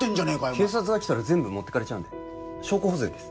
警察が来たら全部持ってかれる証拠保全です